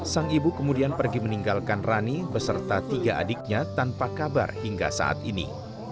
sang ibu kemudian pergi meninggalkan rani beserta tiga adiknya tanpa kabar hingga saat ini